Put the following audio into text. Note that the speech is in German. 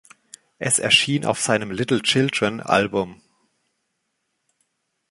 Es erschien auf seinem „Little Children“-Album.